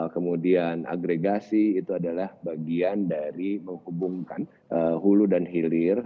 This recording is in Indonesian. kemudian agregasi itu adalah bagian dari menghubungkan hulu dan hilir